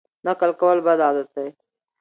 نقل کول بد عادت دی.